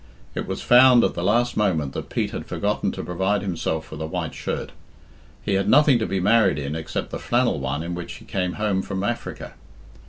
It was found at the last moment that Pete had forgotten to provide himself with a white shirt. He had nothing to be married in except the flannel one in which he came home from Africa.